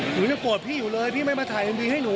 หนูยังโกรธพี่อยู่เลยพี่ไม่มาถ่ายเอ็มวีให้หนู